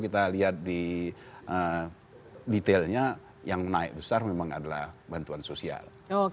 nah detailnya yang naik besar memang adalah bantuan sosial